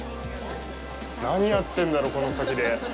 何やってんだろう、この先で。